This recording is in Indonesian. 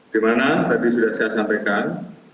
di mana tadi sudah saya sampaikan